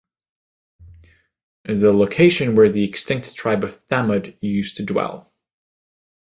The location where the extinct tribe of Thamud used to dwell.